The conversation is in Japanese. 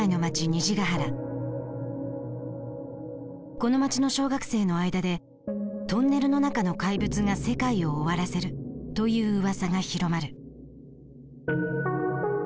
この街の小学生の間で「トンネルの中の怪物が世界を終わらせる」といううわさが広まる。